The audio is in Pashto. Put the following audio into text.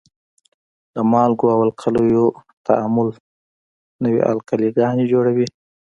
د مالګو او القلیو تعامل نوې القلي ګانې جوړوي.